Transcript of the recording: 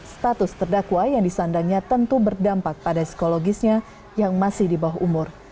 status terdakwa yang disandangnya tentu berdampak pada psikologisnya yang masih di bawah umur